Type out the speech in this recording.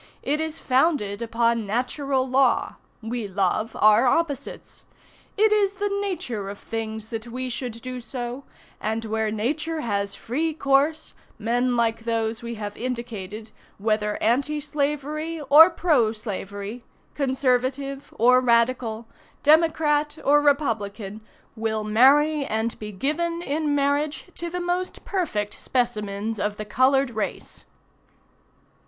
It is founded upon natural law. We love our opposites. It is the nature of things that we should do so, and where Nature has free course, men like those we have indicated, whether Anti Slavery or Pro Slavery, Conservative or Radical, Democrat or Republican, will marry and be given in marriage to the most perfect specimens of the colored race."